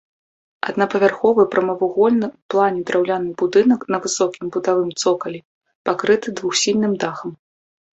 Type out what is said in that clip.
Аднапавярховы прамавугольны ў плане драўляны будынак на высокім бутавым цокалі пакрыты двухсхільным дахам.